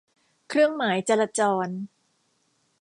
เครื่องหมายจราจร